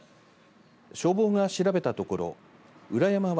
消防が調べたところ裏山は、